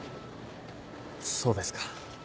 そうですか。